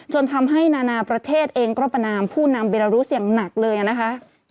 จนทำให้นานาประเทศเองก็ประนามผู้นำเบรารุสอย่างหนักเลยนะคะ